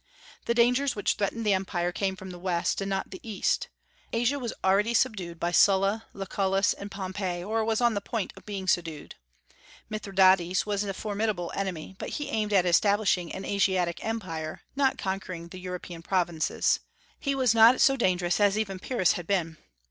The dangers which threatened the Empire came from the West, and not the East. Asia was already subdued by Sulla, Lucullus, and Pompey, or was on the point of being subdued. Mithridates was a formidable enemy; but he aimed at establishing an Asiatic empire, not conquering the European provinces. He was not so dangerous as even Pyrrhus had been.